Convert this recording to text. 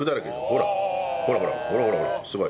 ほらほらほらほらほらほらすごい。